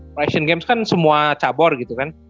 karena asian games kan semua cabor gitu kan